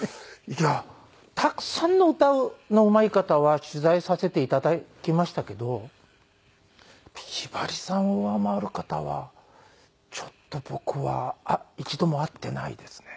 いやたくさんの歌のうまい方は取材させて頂きましたけどひばりさんを上回る方はちょっと僕は一度も会っていないですね。